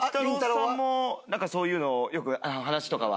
さんもなんかそういうのをよく話とかは。